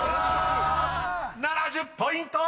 ［７０ポイント！］